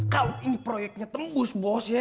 kalau ini proyeknya tembus bos ya